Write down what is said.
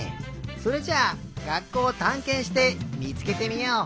それじゃあがっこうをたんけんしてみつけてみよう！